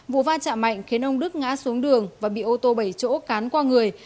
vụ va chạm mạnh khiến ông đức ngã xuống đường và bị ô tô bảy chỗ cán qua người